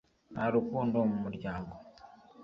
nta rukundo mu muryango